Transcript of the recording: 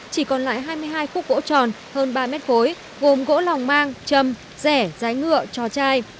chỉ còn lại hai mươi hai khúc gỗ tròn hơn ba mét khối gồm gỗ lòng mang châm rẻ rái ngựa trò chai